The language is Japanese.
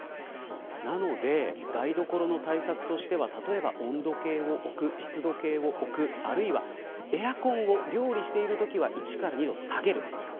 なので、台所の対策としては例えば温度計を置く湿度計を置くあるいはエアコンを料理してるときは１度、２度下げる。